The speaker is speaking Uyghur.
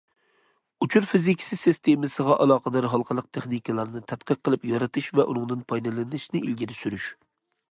ئۇچۇر فىزىكىسى سىستېمىسىغا ئالاقىدار ھالقىلىق تېخنىكىلارنى تەتقىق قىلىپ يارىتىش ۋە ئۇنىڭدىن پايدىلىنىشنى ئىلگىرى سۈرۈش.